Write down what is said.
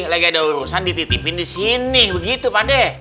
lagi ada urusan dititipin disini begitu padeh